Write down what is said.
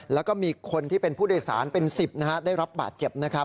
แล้วก็มีคนที่เป็นผู้โดยสารเป็น๑๐ได้รับบาดเจ็บนะครับ